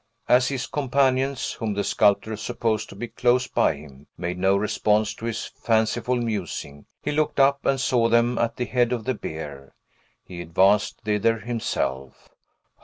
As his companions, whom the sculptor supposed to be close by him, made no response to his fanciful musing, he looked up, and saw them at the head of the bier. He advanced thither himself.